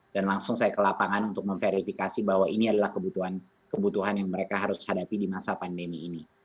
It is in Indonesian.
dan langsung saya ke lapangan untuk memverifikasi bahwa ini adalah kebutuhan yang mereka harus hadapi di masa pandemi ini